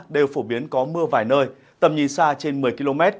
đều phổ biến có mưa vài nơi tầm nhìn xa trên một mươi km